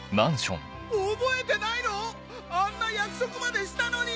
覚えてないの⁉あんな約束までしたのに！